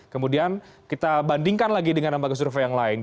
kemudian kita bandingkan lagi dengan lembaga survei yang lain